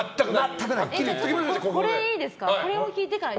これいいですか。